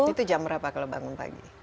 itu jam berapa kalau bangun pagi